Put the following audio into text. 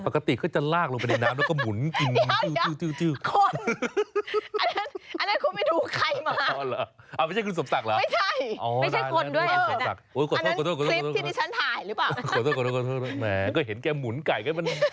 ปกติเขาจะลากลงไปในน้ำแล้วก็หมุนกิน